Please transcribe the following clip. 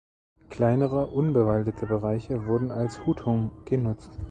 Kleinere unbewaldete Bereiche wurden als Hutung genutzt.